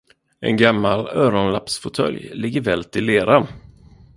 En gammal öronlappsfåtölj ligger vält i leran.